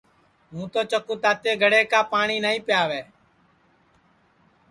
ہُوں چکُو تو تاتے گھڑے کا پاٹؔی نائیں پِیاوے